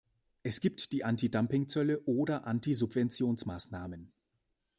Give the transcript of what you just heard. Es gibt die Antidumpingzölle oder Antisubventionsmaßnahmen.